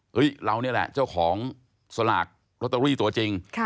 เรานี่แหละเจ้าของสลากลอตเตอรี่ตัวจริง